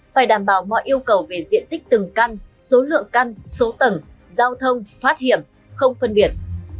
phải đảm bảo mọi yêu cầu về diện tích từng căn số lượng căn số tầng giao thông thoát hiểm không phân biệt